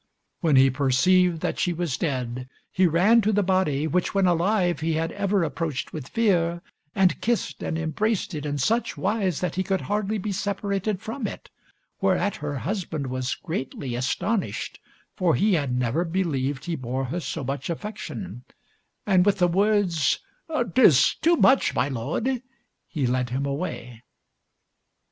When he perceived that she was dead, he ran to the body, which when alive he had ever approached with fear, and kissed and embraced it in such wise that he could hardly be separated from it, whereat the husband was greatly astonished, for he had never believed he bore her so much affection; and with the words, "Tis too much, my lord," he led him away.